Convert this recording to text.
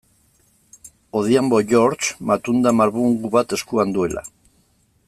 Odhiambo George, matunda marbungu bat eskuan duela.